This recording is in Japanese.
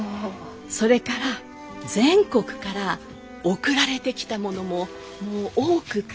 それから全国から送られてきたものももう多くって。